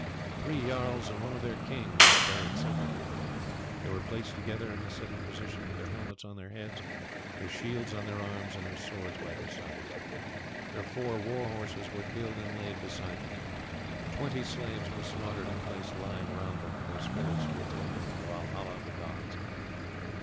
Three jarls and one of their kings were buried separately. They were placed together in a sitting position, with their helmets on their heads, their shields on their arms, and their swords by their sides. Their four war horses were killed and laid beside them; twenty slaves were slaughtered and placed lying round them, for their spirits to attend them in the Walhalla of the gods.